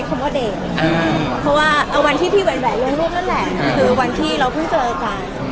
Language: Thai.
คือวันที่เราเพิ่งเจอกัน